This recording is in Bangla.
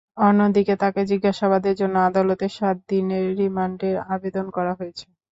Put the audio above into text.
অন্যদিকে তাকে জিজ্ঞাসাবাদের জন্য আদালতে সাত দিনের রিমান্ডের আবেদন করা হয়েছে।